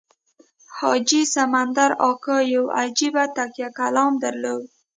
حاجي سمندر اکا یو عجیب تکیه کلام درلود.